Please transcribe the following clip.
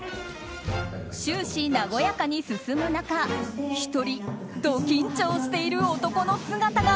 終始、和やかに進む中１人ド緊張している男の姿が。